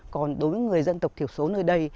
còn đối với người dân tộc thiểu số nơi đây